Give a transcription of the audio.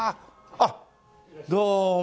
あっどうも。